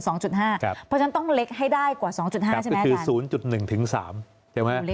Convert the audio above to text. เพราะฉะนั้นต้องเล็กให้ได้กว่า๒๕ใช่ไหมอาจารย์